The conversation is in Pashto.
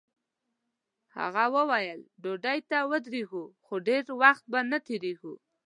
هغه ویل ډوډۍ ته درېږو خو ډېر وخت به نه تېروو.